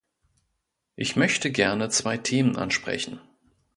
Ich möchte gerne zwei Themen ansprechen.